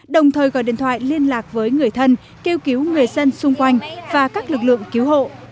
đồng thời gọi điện thoại liên lạc với người thân kêu cứu người dân xung quanh và các lực lượng cứu hộ